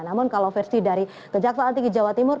namun kalau versi dari kejaksaan tinggi jawa timur